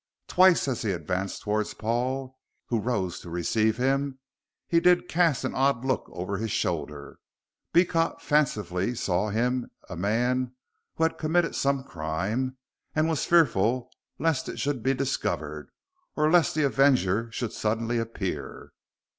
Twice as he advanced towards Paul, who rose to receive him, did he cast the odd look over his shoulder. Beecot fancifully saw in him a man who had committed some crime and was fearful lest it should be discovered, or lest the avenger should suddenly appear.